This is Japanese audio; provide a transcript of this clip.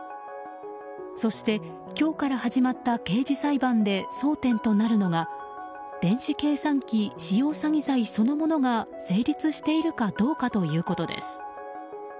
そして今日から始まった刑事裁判で争点となるのが電子計算機使用詐欺そのものが成立化しているかどうかという点です。